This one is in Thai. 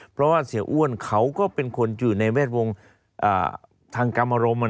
เพราะว่าเสียอ้วนเขาก็เป็นคนอยู่ในแวดวงทางกรรมรม